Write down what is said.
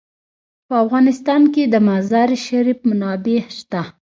په افغانستان کې د مزارشریف منابع شته.